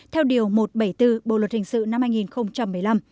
theo điều một trăm bảy mươi bốn bộ luật hình sự năm hai nghìn một mươi năm